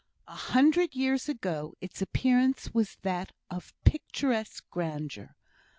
A hundred years ago its appearance was that of picturesque grandeur.